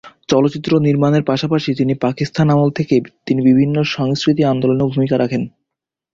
চলচ্চিত্র নির্মাণের পাশাপাশি তিনি পাকিস্তান আমল থেকে তিনি বিভিন্ন সাংস্কৃতিক আন্দোলনেও ভূমিকা রাখেন।